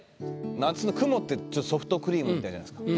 夏の雲ってソフトクリームみたいじゃないですか。